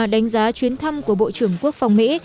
đánh giá chuyến thăm của bộ trưởng quốc phòng mỹ